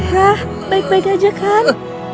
rah baik baik aja kan